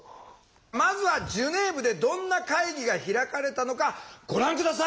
まずはジュネーブでどんな会議が開かれたのかご覧下さい。